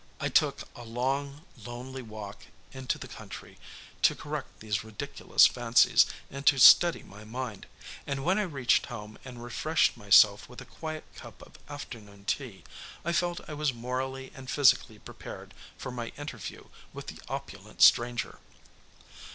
I took a long, lonely walk into the country to correct these ridiculous fancies and to steady my mind, and when I reached home and had refreshed myself with a quiet cup of afternoon tea, I felt I was morally and physically prepared for my interview with the opulent stranger.